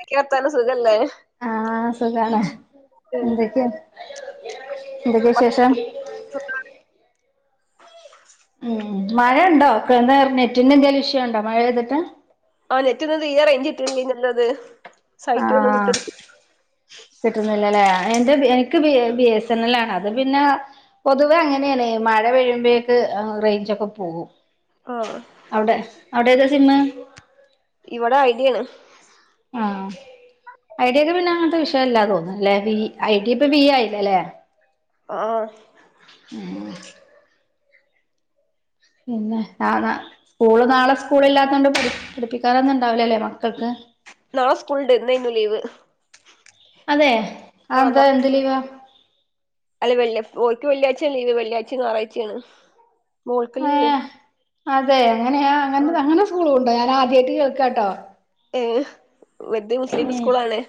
എന്തൊക്കേ വർത്താനം സുഖല്ലേ? ആഹ് സുഖാണ് എന്തൊക്കെ എന്തൊക്കെ വിശേഷം [inaudible] ളം മഴയുണ്ടോ ക് നെറ്റിന് എന്തേലും ഇഷ്യു ഇണ്ടോ മഴെയ്തിട്ട്. ആ നെറ്റിന്ന് തീരെ റേയ്ഞ്ച് കിട്ടില്ലേന്നോത്. ആഹ് കിട്ടുന്നില്ലലേ എന്റെബി എനിക്ക് B B S N L ആണ് അത് പിന്നെ പൊതുവെ അങ്ങനെണ് മഴ പെ്യുബേക്ക് റേയ്ഞ്ചോക്കെ പോവും. ആഹ് അവിടെ അവിടെതാസിമ്മ്? ഇവടെ ഐഡിയേണ്. ആഹ് ഐഡിയക്ക് പിന്നെ അങ്ങൻത്തെ വിഷയല്ലാ തോന്ന്ണ്ലേ വി ഐഡിയ ഇപ്പോ വി ഐ ആയില്ലല്ലേ? ഒ ഓ ഇമ്മ് പിന്നെ ആ സ്കൂള് നാളെ സ്കൂളി ല്ലാത്തോണ്ട് പടി പഠിപ്പിക്കാനൊന്നും ഇ ണ്ടാവിലലേ മക്കൾക്ക് നാളെ സ്കൂൾണ്ട് ഇന്നേനു ലീവ്. അതെ ആ അഎന്താ എന്ത് ലീവാ? അല്ല വെള്ളി ഓൽക്ക് വെള്ളിയാഴ്ച്ചേണ് ലീവ് വെള്ളിയായ്ച്ചിം ഞായറാഴ്ചെണ് മോള്ക്ക് ലീവ് ഏഹ് അതെ അങ്ങനെയ ആ അങ്ങന അങ്ങനെ സ്കൂളുണ്ടോ ഞാൻ ആദ്യയിട്ട് കേൾക്കാട്ടോ. ഏഹ് വര്തെ മുസ്ലിം സ്കൂൾ ആണ്.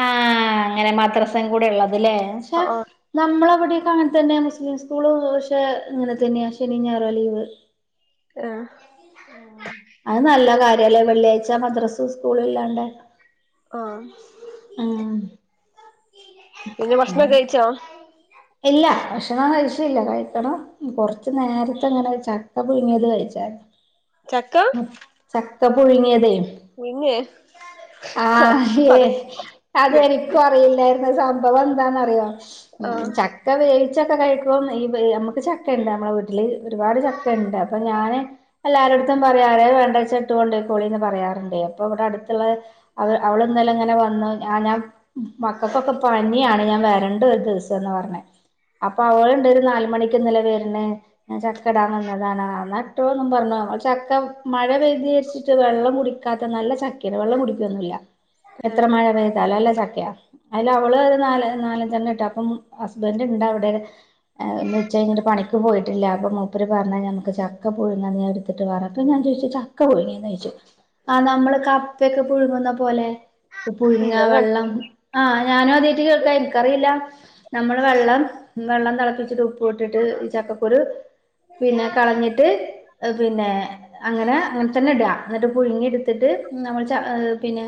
ആഹ് അങ്ങനെ മദ്രസിം കൂടെ ഉള്ളത് ലേ ആ ആ നമ്മളെവിടെയൊക്കെ അങ്ങനെത്തെന്നെ മുസ്ലിം സ്കൂള് പക്ഷെ അങ്ങനെതന്നെയാ ശെനിം ഞായറുഅ ലീവ് ആഹ് അത് നല്ല കാര്യാല്ലേ വെള്ളിയാഴ്ച്ച മദ്രാസും സ്കൂളുല്ലാണ്ട് ആഹ് പിന്നെ ഭക്ഷണൊക്കെ കഴിച്ചോ? ഇല്ല ഭക്ഷണം കഴിച്ചില്ല കഴിക്കണം കുറച്ച് നേരത്തെ അങ്ങനെ ചക്ക പുഴുങ്ങിയത് കഴിച്ചായിരുന്നു. ചക്ക ചക്ക പുഴുങ്ങിയതെയ് മുരിങ്ങേ ആഹ് ഹെ അത് കേട്ടിട്ടില്ല അതെനിക്കു അ റില്ലായിരുന്നു അത് സംഭവം എന്താന്ന്റിയോ ആ മം ച ചക്ക വേവിച്ചൊക്കെ കഴിക്കും ഈ വ് അമ്മക്ക് ചക്കണ്ട് അമ്മളെ വീട്ടില് ഒരുപാട് ചക്കണ്ട് അപ്പൊ ഞാന് എല്ലാരെട്ത്തും പറയാറ് വേണ്ടച്ചാ ഇട്ട് കൊണ്ടോയിക്കോളീംന്ന് പറയാറ്ണ്ട് അപ്പൊ ഇവടെ അടുത്തുള്ള അവ അവളെന്തായാലും ഇങ്ങനെ വന്നു ആഹ് ഞാൻ മക്കൾക്കൊക്കെ പനിയാണ് ഞാൻ വരണ്ട് ഒര് ദിവസം ത്ന്ന്നാ പറഞ്ഞേ അപ്പൊ അവൾണ്ട് ഒരു നാല് മണിക്ക്ന്നലെ വെര്ണ് ഞാൻ ചക്കടാൻ വന്നതാണ്ന്ന് ന്ന ട്ടോ ന്നും പറഞ്ഞ ചക്ക മഴ പെയ്ത്ജാർച്ചിട്ട് വെള്ളം കുടിക്കാത്ത നല്ല ച ക്കേണ് വെള്ളം കുടിക്കൊന്നുമില്ല ഏ എത്ര മഴ പെയ്താലോ നല്ല ചക്കയാ അതില് അവള് ഒരു നാല് നാലഞ്ചെണ്ണ ഇട്ട് അപ്പം ഹസ് ബന്റ് ഉണ്ട് അവിടെന്ന് വെച്ച് കഴിഞ്ഞിട്ട് പണിക്ക് പോയിട്ടില്ല അപ്പം മൂപ്പര് പറഞ്ഞാ നമുക്ക് ച ക്കപുഴുങ്ങാ ഞൻടുത്തിട്ട് വറം അപ്പൊ ഞാൻ ചോദിച്ച് ചക്ക പുഴുങ്ങിയന്ന് ചോദിച്ചു ആഹ് നമ്മള് കപ്പയൊക്കെ പുഴുങ്ങുന്ന പോലെ പുഴുങ്ങ ഞാൻ കണ്ടില്ല വെള്ളം ആഹ് ഞാനും ആദ്യായിട്ട് കേൾക്കാ എനിക്കറിയില്ല നമ്മള് വെള്ളം വെള്ളം തിളപ്പിച്ചിട്ട് ഉപ്പ് ഇട്ടിട്ട് ഈ ചക്കക്കുരു പിന്നെ കളഞ്ഞിട്ട് അത് പിന്നെ അങ്ങനെ അങ്ങനെ തന്നെ ഇട എന്നിട്ട് പുഴുങ്ങി എടുത്തിട്ട് നമ്മൾ ച പിന്നെ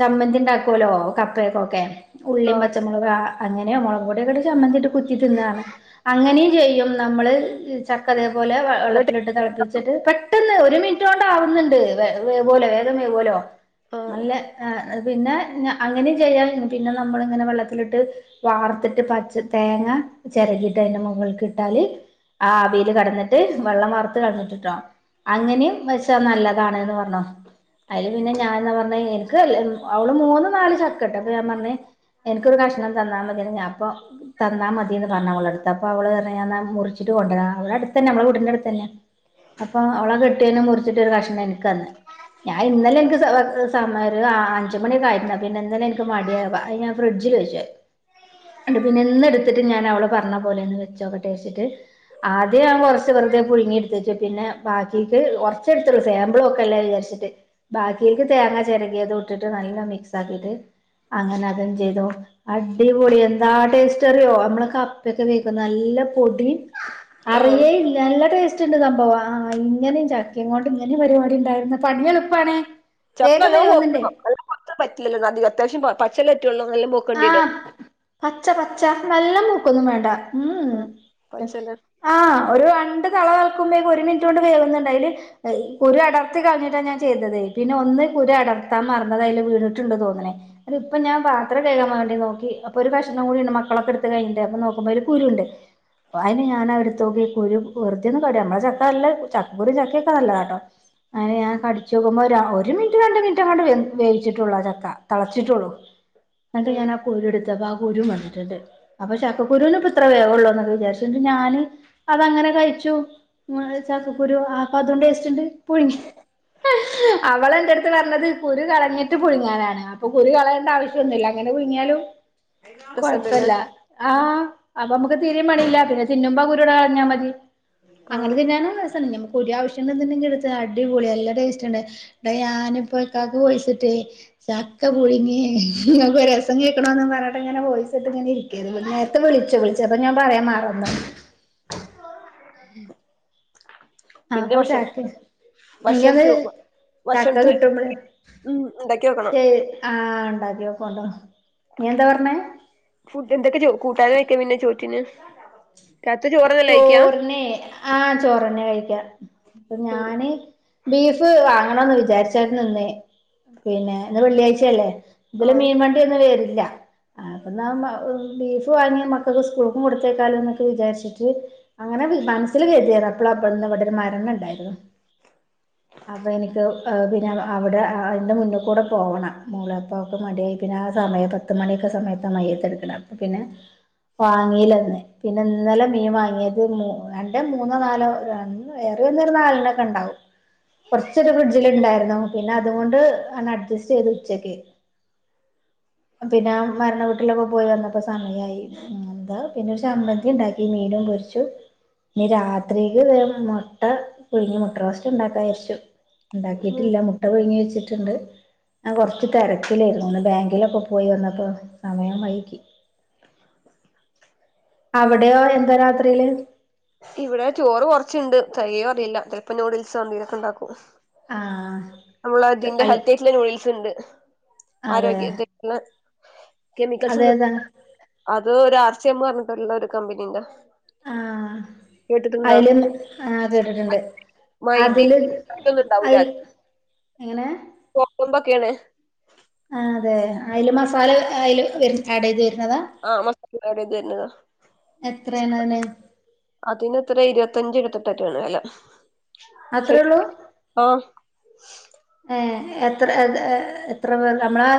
ചമ്മന്തി ഉണ്ടാക്കുവല്ലോ കപ്പയക്കൊക്കെ ഉള്ളിയും ആ പച്ചമുളക്കെ അങ്ങനെ മുളകോടൊക്കെ ചമ്മന്തിയിട്ട് കുത്തി തിന്നർഞ് അങ്ങനെയും ചെയ്യും നമ്മള് ചക്കതേ പോലെ ഇങ്ങോട്ട് വെള്ളത്തിലിട്ട് തിളപ്പിച്ചിട്ട് പെട്ടെന്ന് ഒരു മിനിറ്റ് കൊണ്ട ആവുന്നുണ്ട് വേ വേ പോലേ വേഗം വേവോലോ ആ നല്ല ഏഹ് പിന്നെ അങ്ങനെയും ചെയ്യാം പിന്നെ നമ്മളിങ്ങനെ വെള്ളത്തിലിട്ട് വാർത്തിട്ട് പച്ച തേങ്ങ ചിരകിട്ട് അതിന്റെ മുകളൾക്കിട്ടാല് ആവിയിൽ കിടന്നിട്ട് വെള്ളം വറർത്ത് കളഞ്ഞിട്ടിട്ടോ അങ്ങനെയും വച്ച നല്ലതാണ്ന്ന് പറഞ്ഞോ അതില് പിന്നെ ഞാൻ പറഞ്ഞ എനിക്ക് അവള് മൂന്ന് നാല് ചക്കട്ട് അപ്പൊ ഞാൻ പറഞ്ഞ എനിക്കൊരു കഷ്ണം തന്നാൽ മതി ഞാൻ അപ്പൊ തന്നാ മതിയെന്ന് പറഞ്ഞ് അവൾ അടുത്ത് അപ്പോ അവള് പറഞ്ഞ്‌ എന്നാ മുറിച്ചിട്ട് കൊണ്ടരാ അവടെടുത്തന്ന നമ്മളെ വീടിന്റെ അടുത്ത് തന്നെ അപ്പൊ അവള കെട്ടിയെ മുറിച്ചിട്ടൊരു കഷ്ണം എനിക്ക് തന്ന് ഞാൻ ഇന്നലെ എനിക്ക് സമയം ഒരു അഞ്ച് മണിയൊക്കെ പിന്നെ ഇന്നലെ എനിക്ക് മടിയവാ ഫ്രിഡ്ജിൽ വെച്ചത് പിന്നെ ഇന്ന് എടുത്തിട്ട് ഞാൻ അവള് പറഞ്ഞ പോലെന്ന് വെച്ചോക്കെ വെച്ചിട്ട് ആദ്യം ഞാൻ കുറച്ച് വെറുതെ പുഴുങ്ങി എടുത്തച്ച് പിന്നെ ബാക്കിക്ക് ഒന്നെടുത്തുള്ളൂ സാമ്പിൾ നോക്ക എല്ലാം വിചാരിച്ചിട്ട് ബാക്കിക്ക് തേങ്ങ ചിരകിയതും ഇട്ടിട്ട് നല്ല മിക്സ് അങ്ങനെ അതും ചെയ്തു ആഹ് അടിപൊളി എന്താ ടേസ്റ്റ് അറിയോ നമ്മളെ കപ്പൊക്കെ വക്കും നല്ല പൊടി ആ അറിയേല്ല നല്ല ടേസ്റ്റ് ഉണ്ട് സംഭവ ആ ഇങ്ങനെയും ചക്കയും ക്കൊണ്ട് ഇങ്ങനും പരിപാടി ഉണ്ടായിരുന്നു പണി എളുപ്പാണ് ചക്ക വേഗം നല്ലോണം വേവുന്നുണ്ട് പഴുക്കണം നല്ല പറ്റില്ലല്ലോ അക അത്യാവശ്യം പച്ചലറ്റള്ള ആഹ് പച്ച പച്ച നല്ല മൂക്കൊന്നും വേണ്ട ഉം ആഹ് ഉം പച്ചല ആഹ് ഒരു രണ്ട് തള തളക്കുമ്പോഴേക്ക് ഒരു മിനിറ്റ് കൊണ്ട് വേവുന്നുണ്ട് അയ്ല് കുരു അടർത്തി കളഞ്ഞിട്ടാ ഞാൻ ചെയ്തത് പിന്നെ ഒന്ന് കുരു അടർത്താൻ മറന്നത് അയ്ല് വീണിട്ടുണ്ട് തോന്നണ് അത് ഇപ്പൊ ഞാൻ പറ ത്രം കഴുകാൻ വേണ്ടി നോക്കിപ്പൊ ഒരു കഷണം കൂടിയുണ്ട് മക്കളൊക്കെ എടുത്ത് കഴിഞ്ഞിട്ട് നോക്കുമ്പോ ഒരു കുരുണ്ട് അയിന് ഞാൻ അവടുത്തോക്കി കുരു വെറുത്തിന്ന് കട നമ്മളെ ചക്ക നല്ല ചക്കക്കുരു ചക്കയൊക്കെ നല്ലതാ കേട്ടോ അങ്ങനെ ഞാൻ കടിച്ച് നോക്കുമ്പോൾ ഒരു ഒരു മിനിറ്റ് രണ്ട് മിനിറ്റങ്ങാണ്ട് വേവിച്ചിട്ടുള്ളൂ ആ ചക്ക തിളച്ചിട്ടുള്ളു. എന്നിട്ട് ഉം ഞാനാ കുരും എടുത്തപ്പോ ആ കുരും വന്നിട്ടുണ്ട് അപ്പൊ ചക്കക്കുരുവിനിപ്പിത്ര വേവൊ ള്ളൂന്നൊക്കെ വിചാരിച്ചിട്ട് ഞാന് അതങ്ങനെ കഴിച്ചു ചക്കക്കുരു അപ്പൊ അതു ടേസ്റ്റ് ഉണ്ട് പുഴുങ്ങി അവളെ എന്റെടുത്ത് പറഞ്ഞത് കുരു കളഞ്ഞിട്ട് പുഴുങ്ങാനാണ് അപ്പൊ കുരു കളയേണ്ട ആവശ്യമൊന്നുമില്ല അങ്ങനെ പുഴുങ്ങിയാലും രസണ്ടല്ലേ കൊഴപ്പല്ല ആഹ് അപ്പൊ നമക്ക് തീരെയും പണിയില്ല പിന്ന തിന്നുമ്പ ആഹ് കുരൂട കളഞ്ഞാ മതി ആ അങ്ങനെ തിന്നാനും രസണ്ട് കുരു ആവശ്യണ്ടെങ്കിലുണ്ടെങ്കിൽ എടുത്തോ അടിപൊളി നല്ല ടേസ്റ്റ് ഉണ്ട് ഞാനിപ്പോ ഇക്കക്ക് വോയിസ് ഇട്ടെ ചക്ക പുഴുങ്ങി രസം കേൾക്കണോന്ന് പറഞ്ഞിട്ട് ഇങ്ങനെ വോയിസ് ഇട്ട് ഇങ്ങന ഇരിക്ക നേരത്തെ വിളിച്ചു വിളിച്ച അപ്പൊ ഞാൻ പറയാൻ മറന്നു പിന്നെ ആപ്പൊ ഭക്ഷ ചക്കെ ഇനിയത് ഭക്ഷണത്തി ചക്ക ഭക്ഷണത്തിന് കിട്ടുമ്പള് ഉം ഉണ്ടാക്കി വെക്കണം ശരി ആഹ് ഉണ്ടാക്കിയോക്കണ്ടോ നീ എന്താ പറഞ്ഞേ ഫുഡിന് എന്തൊക്കെ കൂട്ടാന് വെക്ക പിന്നെ ചോറ്റിന് രാത്രി ചോറന്നല്ലേ കഴിക്കാ ചോറിനെ ആഹ് ചോറന്നെയാ കഴിക്കാ അപ്പൊ ഉം ഞാന് ബീഫ് വാങ്ങണന്ന് വിചാരിച്ചായിരുന്നു നിന്ന് പിന്നെ ഇന്ന് വെള്ളിയാഴ്ചയല്ലേ ആ ഇതില് മീൻവണ്ടി ഒന്നും വെരില്ല ആഹ് അപ്പൊന്നാ മാ ബീഫ് വാങ്ങിയ മക്കൾക്ക് സ്കൂൾക്കും കൊടുത്തേയ്ക്കാലോന്നൊക്കെ വിചാരിച്ചി ച്ചു അങ്ങനെ വി മനസ്സിൽ കരിതിയത അപ്പോ അവിടുന്നു ഇവിടോരു മരണം ഉണ്ടായിരുന്നു ആ അപ്പോ ഇനിപ്പോ പിന്നെ അവിടെ അതിൻ്റെ മുന്നിൽ കൂടെ പോകണം മോളപ്പോവക്ക് മടിയായി പിന്നെ ആഹ് സമയ പത്ത് മണിയൊക്കെ സമയത്ത് മയ്യത്തെ എടുക്കണ അപ്പോപ്പിന്നെ വാങ്ങില്ല ന്നെ പിന്നിന്നലെ മീൻ വാങ്ങിയത് മൂ രണ്ട് മൂന്നോ നാലോ ഏറിവന്ന നാലെണ്ണൊക്കെയിണ്ടാവും കുറച്ചൊരു ഫ്രിഡ്ജിലുണ്ടായിരുന്നു പിന്നെ അതുകൊണ്ട് അങ്ങ് അഡ്ജസ്റ്റ് ചെയ്ത് ഉച്ചയ്ക്ക് പിന്നെ മരണവീട്ടിലൊക്കെ പോയി വന്നട്ട് ഇപ്പൊ സമയായി ന്താ പിന്നെ ഒരു ചമ്മന്തിണ്ടാക്കി മീനും പൊരിച്ചു ഇനി രാത്രിക്ക് ഇതുപോലെ മൊട്ട പുഴുങ്ങി മുട്ട റോസ്റ്റുണ്ടാക്കാരിച്ചു ഉം ഉണ്ടാക്കിട്ടില്ല മുട്ട പുഴങ്ങി വെച്ചിട്ടുണ്ട് ഞാൻ കൊറച്ച് തിരക്കിലേരുന്നു ഒന്ന് ബാങ്കിലൊക്കെ പോയി വന്നപ്പോ സമയം വൈകി അവിടെയോ എന്താ രാത്രിയില് ഇവിടെ ചോറ് കൊറച്ചിണ്ട് തെകയോന്നറിയില്ല ചിലപ്പോ നൂഡിൽസോ എന്തേലുവോക്കെ ഉണ്ടാക്കും ആഹ് നമ്മള അതിന്റെ അൽ ഹെൽത്തിയായിട്ടുള്ള നൂഡിൽസിണ്ട് അതെ ആരോഗ്യ ള്ള കെമിക്കൽസ് ഒന്നും അതേതാ അത് ഒരാർ സി എംന്ന് പറഞ്ഞിട്ടുള്ള ഒരു കമ്പനീന്റെ ആഹ് കേട്ടിട്ടുണ്ടോ അതിലും ആഹ് കേട്ടിട്ടുണ്ട് മൈദി അതില് ഇതൊന്നും ഉണ്ടാവൂല അതിൽ എങ്ങനെ എന്തൊക്കെയാണ് ആഹ് അതെ അയില് മസാല അയില് വെരു ആഡ് ചെയ്ത് വരുന്നതാ ആഹ് മസാല ആഡെയിതു വരുന്നതാ എത്രയാണ് അതിന് അതിനെത്രയാ ഇരുപത്തഞ്ച ഇരുപത്തെട്ടാറ്റാണ് വെല അത്രേള്ളൂ ഏഹ് എത്ര അത് ഏഹ് എത്ര പേർ നമ്മളാ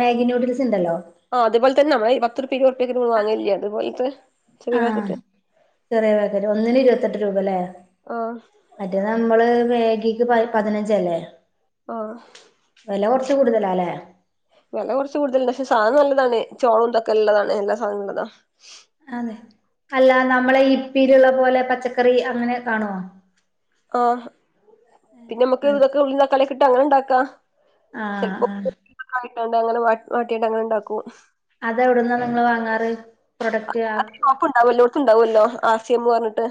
മാഗി നൂഡിൽസിണ്ടല്ലോ ആഹ് അതുപോലെത്തന്നെ നമ്മളെയി പത്രുപ്യ ഇരുപതുറുപ്യക്ക്മ്മ വാങ്ങലില്യേ അതുപോലത്തെ ആ ചെറിയ പാക്കറ്റ് ചെറിയ പാക്കറ്റ് ഒന്നിന് ഇരുപത്തെട്ട് രൂപല്ലേ ഓഹ് മറ്റേ നമ്മള് മേഗിക്ക് പാ പതിനഞ്ചല്ലേ ആ വെല കൊറച്ച് കൂടുതലാല്ലേ വെല കൊറച്ച് കൂടുതലന്നെ പക്ഷെ സാധനം നല്ലതാണ് ചോളവും ഇതൊക്കെല്ലതാണ് എല്ലാ സാധനോം നല്ലതാ അതെ അല്ല നമ്മളെ ഇപ്പയിലുള്ള പോലെ പച്ചക്കറി അങ്ങനെ കാണുവോ ആ പിന്നെ മ്മക്ക് ഇതൊക്കെ ആ ഉള്ളീം തക്കാളീംഓക്കെ ഇട്ട് അങ്ങനെ ണ്ടാക്കാ ആ ആ കായിട്ടണ്ട ങ്ങനെ വാ വാട്ടീട്ടങ്ങനെണ്ടാക്കും അഥവി ട്ന്നാ നിങ്ങള് വാങ്ങാറ് പ്രൊഡക്റ്റ് ആ, അത് ഇണ്ടാവുംല്ലോടത്തുണ്ടാവല്ലോ ആർസിഎംന്ന് പറഞ്ഞിട്ട്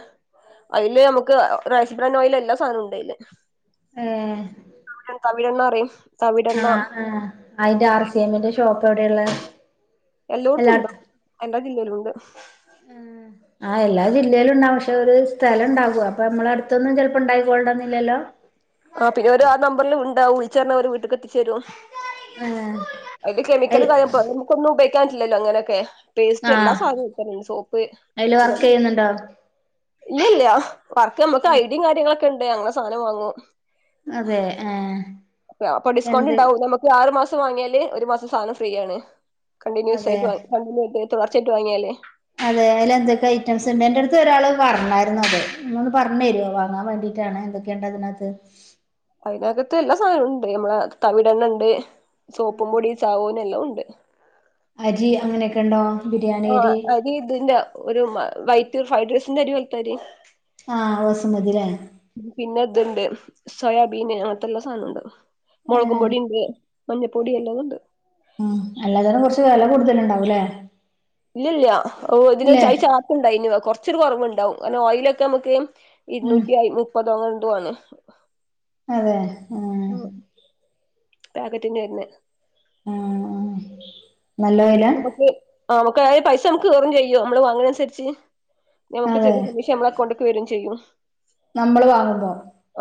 അയില് നമുക്ക് റൈസ് ബ്രാൻഡോയില് എല്ലാ സാധനോം ഉണ്ടയില് ഏ തവിഎണ്ണ റായും ആഹ ആ അയിന്റെ ആർസിഎമ്മിന്റെ ഷോപ്പ് എവിടെള്ളേത് എല്ലാടുത്തും ഉണ്ട് എല്ലാ ജില്ലേലുണ്ട് ആ എല്ലാ ജില്ലേലുംണ്ടാവും പക്ഷെ ഒരു സ്ഥലം ഉണ്ടാവും അപ്പൊ മ്മളടുത്തൊന്നും ചെലപ്പോ ണ്ടായിക്കൊള്ളണമെന്നി ല്ലല്ലോ ആ പിന്നെ അവര് ആ നമ്പരിലുണ്ടാവും വിളിച്ച് പറഞ്ഞാൽ വീട്ടിക്ക് എത്തിച്ചെരും ആഹ് അയില് കെമിക്കല് അയിൽ കായ പോ ഇപ്പ ന്നു ഉപ യോഗിക്കാൻ പറ്റില്ലല്ലോ ങ്ങനെക്കെ പേസ്റ്റ് ല്ലാ ആഹ് സാധ [unintelligible] ക്ക സോപ്പ് അയില് വർക്ക് എല്ലാതും ചെയ്യുന്നുണ്ടോ ല്ലല്ല വർക്കമ്മക്ക് ഐഡി കാര്യങ്ങളൊക്കെണ്ട്ഞങ്ങൾസാധനം വാങ്ങും അതെ എ പ്പൊ അപ്പൊ ഡിസ്കൗണ്ട് ണ്ടാവും നമുക്ക് ആറു മാസം വാങ്ങിയാല് ഒരു മാസം സാനം ഫ്രീ യാണ് കണ്ടിന്യൂസ് അതെ ആയി്ട്ട് വാ കണ്ടിന്യൂ ആട്ട് വ ർചായ്ട്ട് വാങ്ങിയാലെ അതെ ലെ ന്തൊക്കെ ഐറ്റംസ് ണ്ട് ന്റെറ ട്ത്ത് ഒരാൾ പർന്നായിരുന്നു അത് ന്ന തോന്ന് പറഞ്ഞെരോ വാങ്ങാൻ വേണ്ടിട്ടാണ് എന്തൊ ക്കേണ്ടതിനാകത്ത് അയ്നകത്ത് എല്ലാ സാനങ്ങള്ണ്ട് നമ്മളെ തവിടെെണ്ണ ണ്ട് സോപ്പും പൊടി സാവോനെഎല്ലാതുണ്ട് അരി അങ്ങനെക്കെ ണ്ടോ ബിരിയാണി അരി ഇഈ തിന്റെ ഒരു മ വൈറ്റ് ഫ്രൈഡസിണ്ടഅരി പോൽ തരി ആ വസ്മതിലെ പിന്നെ ത്ണ്ട് സോയാബീന് അങ്ങൻ ത്തെ ല്ലാ സാനമുണ്ട് മുളകും ഏഹ് പൊടി ണ്ട് മഞ്ഞപ്പൊടി എല്ലതു ണ്ട് ഉം അല്ലാതനും കുറച്ച് വില കൂടുതല് ണ്ടാവൂല്ലേ? ഇല്ലല്ലിയ എഹ് ഓഹ് ഇതിനൊര് ചയ് ചാർപ്പുണ്ടയ്നു കൊറച്ചൊരു കൊറവണ്ടാവും അങ്ങനെ ഓയിലൊക്കമ്മക്ക് ഉം ഇരുന്നൂറ്റി അയ് മുപ്പതോ ങ്ങാണെന്ധോണ് അതെ അഹ് ഓഹ് [inaudible] പേക്കേറ്റിന്നെർന്നെ ആആ മ്മക്ക് മ്മകായ് പൈസ കേറൂ ചെയ്യൂ ഞ മ്മള് വാങ്ങണൻസരിച്ചി നമുക്ക് അതെ ചെറിയ കമിഷ മ്മളക്കൗണ്ട്ക് വരും ചെയ്യും നമ്മള് വാങ്ങുമ്പോ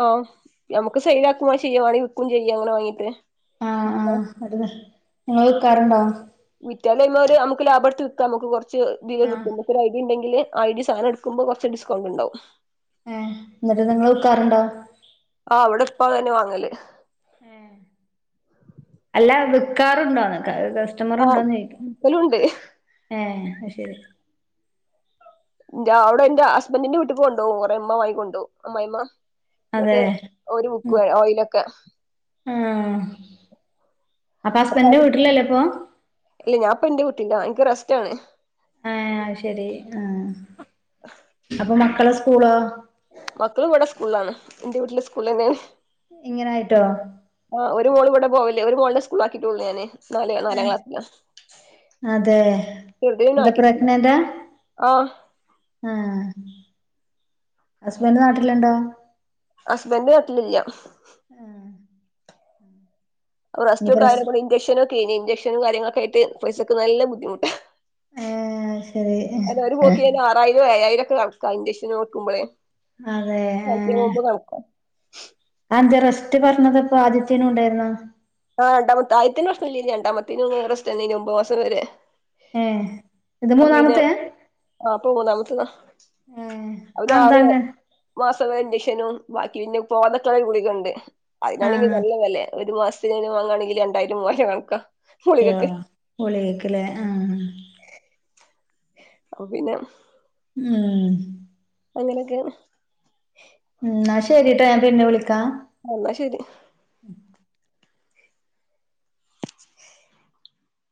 ഓ നമക്ക് സൈലാക്കും ചെയ്യവാണയ് വിക്കും ചെയ്യാ അങ്ങനെ വാങ്ങീട്ട് അുതു അഹ് നിങ്ങൾ. വിക്കാറുണ്ടോ [unintelligible] വിറ്റാാലൈമോര്മ്മക്ക് ലാഭടുത് വിക്കാ മക്ക് കുറച്ച് ആഹ് ഇതികിട്ടും മ്മക്കൊരയ്ഡിണ്ടെങ്കില് ഐഡി സാന ട്ക്കുമ്പോ കൊർച് ഡിസ്കൗണ്ട് ണ്ടാവും ഏഹ് ന്ട്ട് നിങ്ങള് വിക്കാറുണ്ടോ ആഹ് അവിടെ പ്പാ അതെ ന്നെ വാങ്ങല് ആഹ [unintelligible] അല്ല വിക്കാറുണ്ടോന്ന് ക ആഹ് കസ്റ്റമർുണ്ടോന്നോയ് വിക്കലുണ്ട് എഹ് അഹ് ശരി ന്റ അവടെ ന്റ ഹസ്ബൻറിന്റെ വീട്ക്ക്‌ കൊണ്ടോവും കുറേ മ്മ വായിക്കൊണ്ടോവും അ്മായിമ്മ [inaudible] അതെ ങ്ട്ട് ഒരു മുക്ക ഓയിലൊക്കെ ആഹ [inaudible] ഇപ്പൊ ഇല്ല ഞാൻപ്പന്റെ വീട്ടിലാ റസ്റ്റാണ് ആഹ അ ശരി ആഹ അപ്പൊ മക്കളെ സ്കൂളോ? മക്കളവിടൊ സ്കൂളാണ് ന്റെ വീട്ടിലെ സ്കൂളണെന്ന് ഇങ്ങനായിട്ടോ ആഹ് ഒരു മോള് ഇവടെ പോവല് ഒരു മോളിനെ സ്കൂളാക്കീട്ടൊള്ളു ഞാന് നാല് നാലാം ഏഹ് ക്ലാസ്സിലാ. അതെ എന്താ [unintelligible] പ്രഗ്നന്റാ ആഹ് ആഹ് ഹസ്ബൻ് നാട്ടിലുണ്ടോ? ഹസ്ബൻഡ് നാട്ടിലില്ല ആഹ് ഇനി റെസ്റ്റോക്കെ പ്രസ ആയേനെ കൊണ്ട് ഇൻജെക്ഷൻ ഒക്കെ കൈഞ്ഞു ഇൻജെക്ഷനും കാര്യങ്ങളൊക്കായിട്ട് പൈസക്ക്‌ നല്ല ബുദ്ധിമുട്ടാഹ് ഏഹ് ശരി അതൊരു പോക്കിനന്നെ ആറായിരോ ഏയായിരുക്കണക്ക് ഇഞ്ചക്ഷനോടുക്കുബെളേ അതെ ആഹ് ആന്ത്യെ റസ്റ്റ് പറഞ്ഞത് പ്പൊ ആദിത്യനു ണ്ടാര്ന്നൊ? ആഹ് രണ്ടാമത്ത ആദ്യത്തിന് പ്രശ്നലര്ന്ന് രണ്ടാമത്തിന് ങ്ങെ റെസ്റ്റെന്നേനു ഒമ്പത് മാസം വരെ ഏഹ് ഇത് അപ്പ പിന്നെ മൂന്നാമത്തെയാ ആഹ് ഇപ്പൊ മൂന്നാമത്തെതാ ഏഹ് അവന് അതെന്താ ആറ് അങ്ങനെ മാസകന്റിഷനും ബാക്കി പിന്നെ പോവാതെക്കാന്ള്ള ഗുളികണ്ട് അയിനാണെങ്കി ആഹ് നല്ല വെലെ ഒരു മാസത്തിനെന്നെ വാങ്ങാണെങ്കി രണ്ടായിരം മൂവായിരം കണക്കാ. ഗുളികക്ക് ഏഹ് ഗുളിക്ക് ലേ ആഹ് അപ്പ പിന്നെ മം. അങ്ങനെക്കേണ് ഇന്നാ ശരിട്ടാ ഞാൻ പിന്നെ വിളിക്കാ അന്ന ശരി